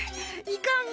いかん。